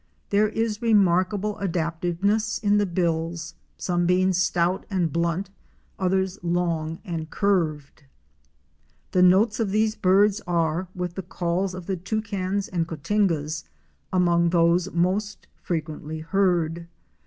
There is remarkable adaptiveness in the bills, some being stout and blunt, others long and curved. The notes of these birds are, with the calls of the Toucans and Cotingas, among those most frequently heard.